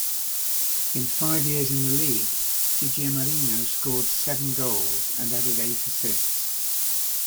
In five years in the league, DiGiamarino scored seven goals and added eight assists.